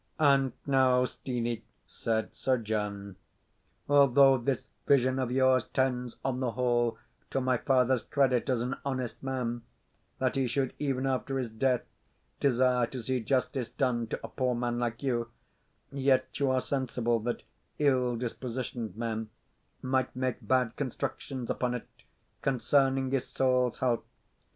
"And now, Steenie," said Sir John, "although this vision of yours tends, on the whole, to my father's credit as an honest man, that he should, even after his death, desire to see justice done to a poor man like you, yet you are sensible that ill dispositioned men might make bad constructions upon it concerning his soul's health.